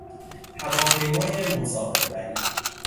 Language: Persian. هواپیمای مسافر بری